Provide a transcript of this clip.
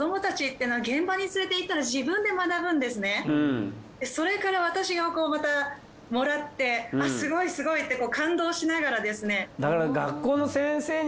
やっぱりそれから私がまたもらってすごいすごいって感動しながらですね。